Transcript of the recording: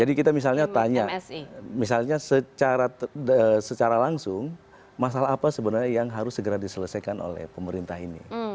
jadi kita misalnya tanya misalnya secara langsung masalah apa sebenarnya yang harus segera diselesaikan oleh pemerintah ini